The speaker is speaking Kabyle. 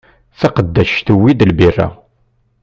Taqeddact tewwi-d lbira.